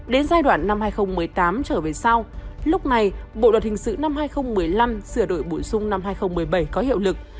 đến giai đoạn năm hai nghìn một mươi tám trở về sau lúc này bộ luật hình sự năm hai nghìn một mươi năm sửa đổi bổ sung năm hai nghìn một mươi bảy có hiệu lực